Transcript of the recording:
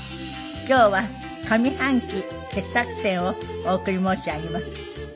今日は上半期傑作選をお送り申し上げます。